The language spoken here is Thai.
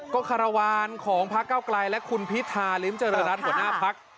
ก็คารวาลของพักเก้าไกลและคุณพิธาริมเจริญรัฐหัวหน้าพัก